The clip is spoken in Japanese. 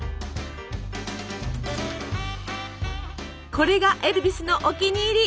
これがエルヴィスのお気に入り。